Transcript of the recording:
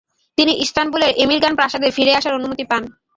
তিনি ইস্তানবুলের এমিরগান প্রাসাদে ফিরে আসার অনুমতি পান।